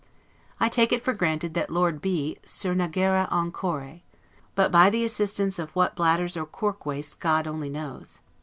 I take it for granted, that Lord B 'surnagera encore', but by the assistance of what bladders or cork waistcoats God only knows.